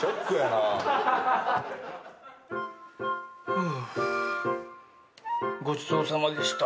フゥごちそうさまでした。